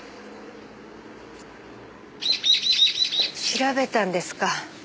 調べたんですか。